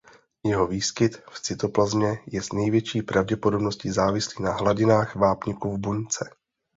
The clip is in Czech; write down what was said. Jeho výskyt v cytoplazmě je s největší pravděpodobností závislý na hladinách vápníku v buňce.